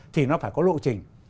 thì nó phải có lộ trình